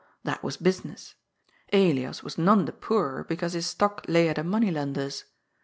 That was business. Elias was none the poorer because his stock lay at a money lender's.